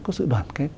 có sự đoàn kết